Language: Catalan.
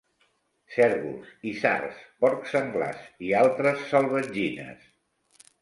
Cérvols, isards, porcs senglars i altres salvatgines.